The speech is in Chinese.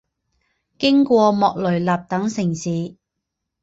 经过莫雷纳等城市。